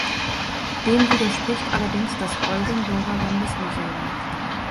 Dem widerspricht allerdings das Oldenburger Landesmuseum.